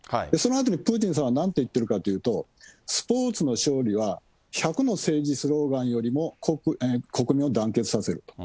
そのあとにプーチンさんはなんと言ってるかというと、スポーツの勝利は、１００の政治スローガンよりも国民を団結させる。